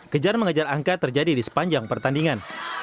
kejar mengejar angka terjadi di sepanjang pertandingan